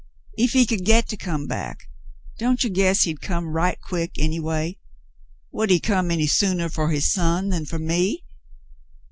If he could get to come back, don't you guess he'd come right quick, anyway ? Would he come any sooner for his son than for me.'